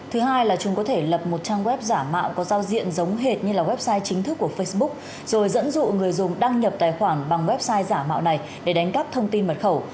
thứ hai là chúng có thể lập một trang web giả mạo có giao diện giống hệt như là website chính thức của facebook rồi dẫn dụ người dùng đăng nhập tài khoản bằng website giả mạo này để đánh cắp thông tin mật khẩu